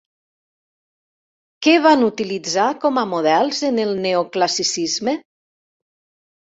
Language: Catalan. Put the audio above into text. Què van utilitzar com a models en el neoclassicisme?